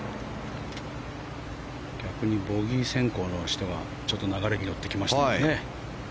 逆にボギー先行の人が流れに乗ってきましたもんね。